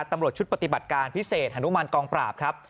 ตำรวจชุดปฏิบัติการพิเศษฮนุมานกองปราบครับ